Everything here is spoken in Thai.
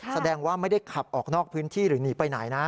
แสดงว่าไม่ได้ขับออกนอกพื้นที่หรือหนีไปไหนนะ